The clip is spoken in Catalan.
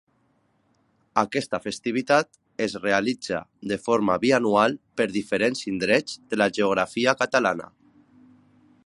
Aquesta festivitat es realitza de forma bianual per diferents indrets de la geografia catalana.